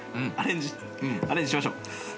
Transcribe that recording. アレンジしましょう。